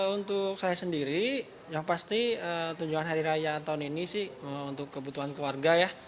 untuk saya sendiri yang pasti tujuan hari raya tahun ini sih untuk kebutuhan keluarga ya